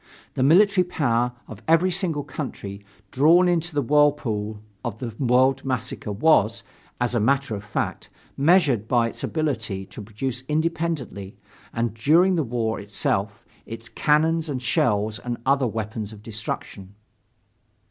The military power of every single country drawn into the whirlpool of the world massacre was, as a matter of fact, measured by its ability to produce independently and during the war itself, its cannons and shells and the other weapons of destruction.